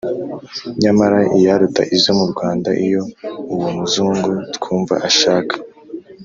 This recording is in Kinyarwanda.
Nyamara iyaruta izo mu Rwanda Iyo uwo Muzungu twumva ashaka,